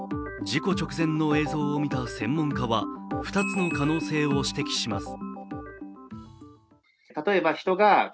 事故直前の映像を見た専門家は２つの可能性を指摘します。